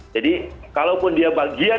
jadi kalaupun dia bagian